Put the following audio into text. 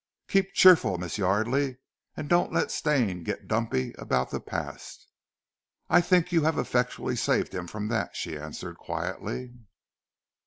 "Keep cheerful, Miss Yardely, and don't let Stane get dumpy about the past." "I think you have effectually saved him from that," she answered quietly.